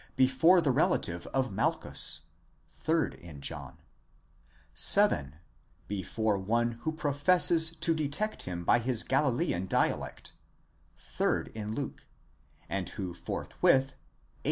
Before the relative of Malchus (3rd in John) ; 7. Before one who professes to detect him by his Galilean dialect (3rd in: Luke), and who forthwith 8.